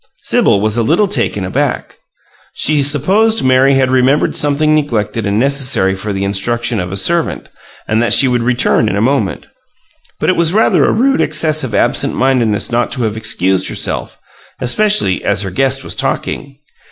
Sibyl was a little taken aback. She supposed Mary had remembered something neglected and necessary for the instruction of a servant, and that she would return in a moment; but it was rather a rude excess of absent mindedness not to have excused herself, especially as her guest was talking.